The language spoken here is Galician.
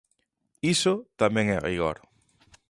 Iso tamén é rigor.